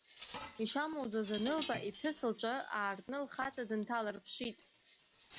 Ишамуӡоз анылба, иԥҳәыс лҿы аартны лхаҵа дынҭалырԥшит.